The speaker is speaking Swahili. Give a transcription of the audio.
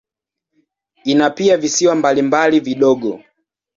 Ina pia visiwa mbalimbali vidogo.